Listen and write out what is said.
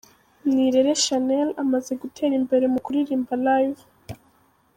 Nirere Shanel amaze gutera imbere mu kuririmba Live.